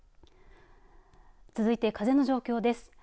続いて風の状況です。